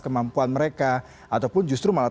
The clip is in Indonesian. kemampuan mereka ataupun justru malah